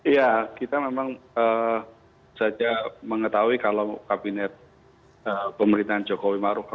ya kita memang saja mengetahui kalau kabinet pemerintahan jokowi maruf